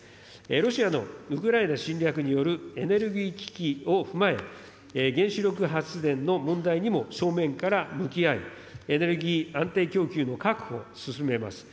ロシアのウクライナ侵略によるエネルギー危機を踏まえ、原子力発電の問題にも正面から向き合い、エネルギー安定供給の確保を進めます。